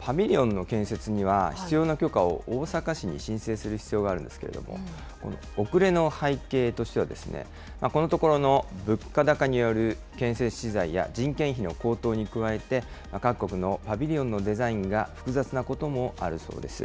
パビリオンの建設には必要な許可を大阪市に申請する必要があるんですけれども、遅れの背景としては、このところの物価高による建設資材や人件費の高騰に加えて、各国のパビリオンのデザインが複雑なこともあるそうです。